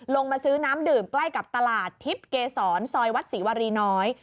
มาซื้อน้ำดื่มใกล้กับตลาดทิพย์เกษรซอยวัดศรีวรีน้อย